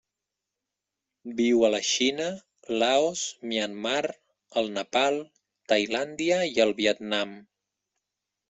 Viu a la Xina, Laos, Myanmar, el Nepal, Tailàndia i el Vietnam.